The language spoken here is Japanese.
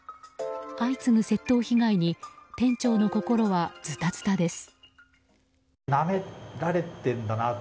相次ぐ窃盗被害に店長の心はズタズタです。